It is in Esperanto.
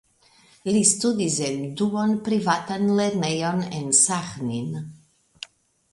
Li studis en duonprivatan lernejon en Saĥnin.